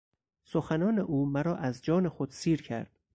سخنان او مرا از جان خود سیر کرد.